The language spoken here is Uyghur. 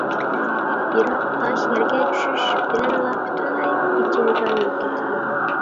بىراق تاش يەرگە چۈشۈش بىلەنلا پۈتۈنلەي پېچىنىگە ئايلىنىپ كېتىدۇ.